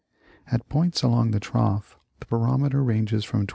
At points along the trough the barometer ranges from 29.